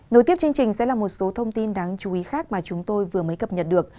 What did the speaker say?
nối tiếp chương trình sẽ là một số thông tin đáng chú ý khác mà chúng tôi vừa mới cập nhật được